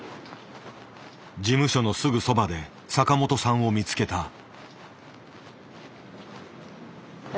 事務所のすぐそばで坂本さんを見つけた。